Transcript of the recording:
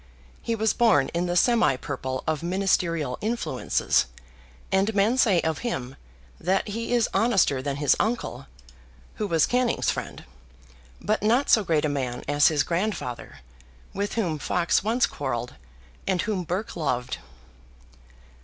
He was born in the semi purple of ministerial influences, and men say of him that he is honester than his uncle, who was Canning's friend, but not so great a man as his grandfather, with whom Fox once quarrelled, and whom Burke loved.